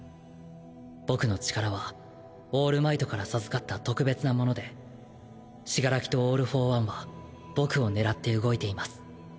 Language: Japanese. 僕の力はオールマイトから授かった特別なもので死柄木とオール・フォー・ワンは僕を狙って動いています。